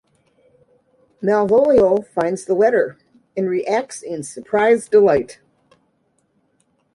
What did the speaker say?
Malvolio finds the letter and reacts in surprised delight.